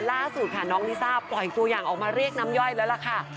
ล่าสุดค่ะน้องลิซ่าปล่อยตัวอย่างออกมาเรียกน้ำย่อยแล้วล่ะค่ะ